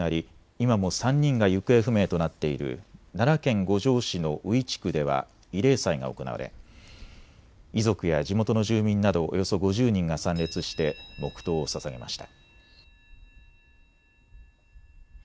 今も３人が行方不明となっている奈良県五條市の宇井地区では慰霊祭が行われ遺族や地元の住民などおよそ５０人が参列して黙とうをささげました。